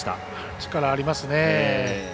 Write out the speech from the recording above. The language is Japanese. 力ありますね。